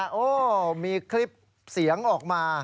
โอ้มีคลิปเสียงออกมา